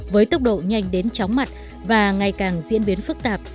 với tốc độ nhanh đến chóng mặt và ngày càng diễn biến phức tạp